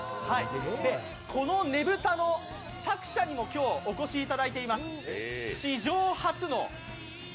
このねぶたの作者にも今日、お越しいただいています。